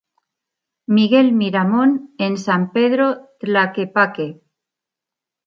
Miguel Miramón en San Pedro Tlaquepaque.